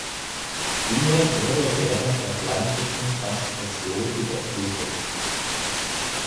Dieser wurde während der Flandrischen Transgression überflutet.